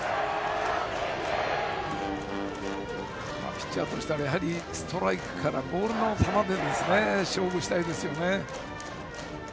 ピッチャーとしたらストライクからボールの球で勝負したいですね。